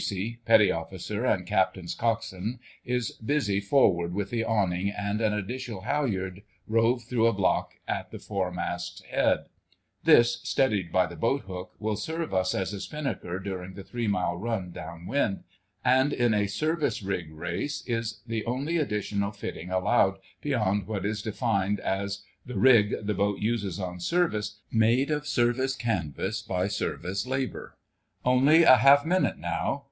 Casey, Petty Officer and Captain's Coxswain, is busy forward with the awning and an additional halliard rove through a block at the foremast head. This, steadied by the boat hook, will serve us as a spinnaker during the three mile run down wind; and, in a Service rig race, is the only additional fitting allowed beyond what is defined as "the rig the boat uses on service, made of service canvas by service labour." Only half a minute now....